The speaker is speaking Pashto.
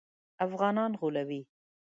افغانان غولوي.